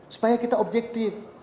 supaya kita objektif